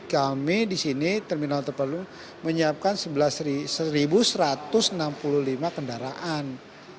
kami di sini terminal tepalu menyiapkan satu satu ratus enam puluh lima kendaraan